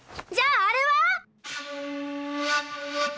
じゃああれは⁉は？